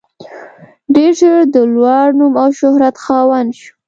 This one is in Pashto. ډېر ژر د لوړ نوم او شهرت خاوند شو.